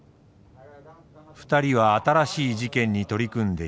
２人は新しい事件に取り組んでいた。